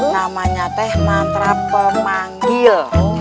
namanya teh mantra pemanggil